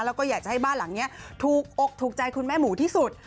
แล้วก็อยากจะให้บ้านหลังนี้ถูกอกถูกใจคุณแม่หมูที่สุด